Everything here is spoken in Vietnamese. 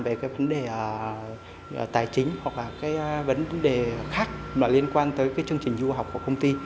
về vấn đề tài chính hoặc là vấn đề khác liên quan tới chương trình du học của công ty